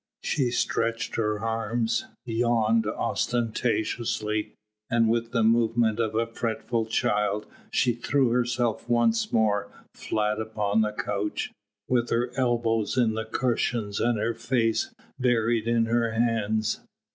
She stretched her arms, yawned ostentatiously, and with the movement of a fretful child she threw herself once more flat upon the couch, with her elbows in the cushions and her face buried in her hands.